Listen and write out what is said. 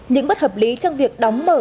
những bất hợp lý trong việc đóng mở